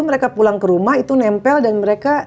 mereka pulang ke rumah itu nempel dan mereka